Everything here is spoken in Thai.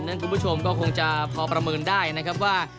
คุณผู้ชมก็คงจะพอประเมินได้นะครับว่า